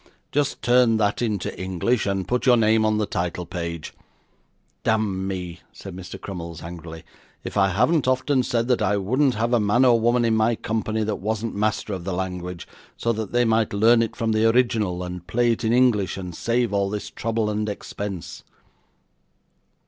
Just turn that into English, and put your name on the title page. Damn me,' said Mr. Crummles, angrily, 'if I haven't often said that I wouldn't have a man or woman in my company that wasn't master of the language, so that they might learn it from the original, and play it in English, and save all this trouble and expense.